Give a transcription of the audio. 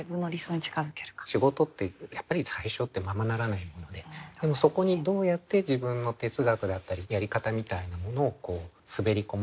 仕事ってやっぱり最初ってままならないものででもそこにどうやって自分の哲学だったりやり方みたいなものを滑り込ませていく。